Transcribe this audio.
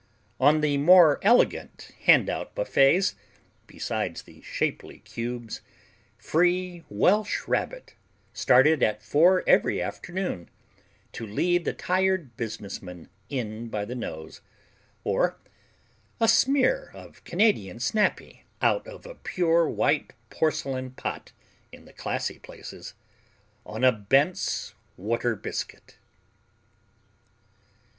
On the more elegant handout buffets, besides the shapely cubes, free Welsh Rabbit started at four every afternoon, to lead the tired businessman in by the nose; or a smear of Canadian Snappy out of a pure white porcelain pot in the classy places, on a Bent's water biscuit.